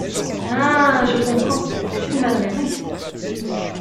Ha je comprends, c'est une bonne raison.